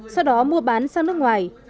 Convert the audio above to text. sau đó mua bán sang nước ngoài